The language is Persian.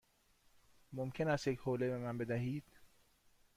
ممکن است یک حوله به من بدهید؟